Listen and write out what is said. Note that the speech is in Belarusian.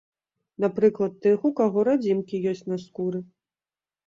Напрыклад, тых, у каго радзімкі ёсць на скуры.